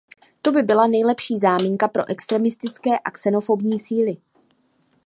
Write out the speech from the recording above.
To by byla nejlepší záminka pro extremistické a xenofobní síly.